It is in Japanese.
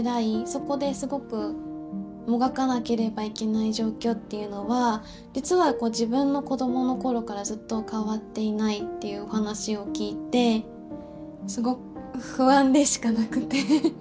そこですごくもがかなければいけない状況っていうのは実は自分の子どものころからずっと変わっていないっていうお話を聞いてすごく不安でしかなくて。